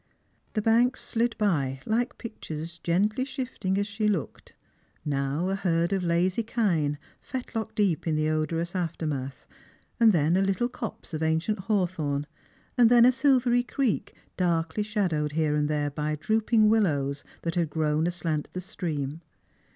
The banks slid by like j^ictures gently shifting as she looked; now a herd of lazy kine, fetlock deep in the odorous after math, and then a little copse of ancient hawthorn, and then a silveiy creek darkly shadowed here and there by drooping willows that had grown aslant the stream.